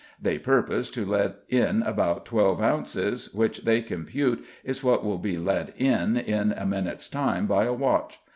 They purpose to let in about twelve ounces, which they compute is what will be let in in a minute's time by a watch.